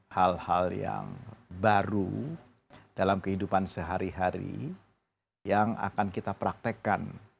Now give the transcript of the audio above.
hal hal yang baru dalam kehidupan sehari hari yang akan kita praktekkan